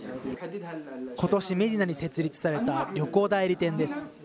ことしメディナに設立された旅行代理店です。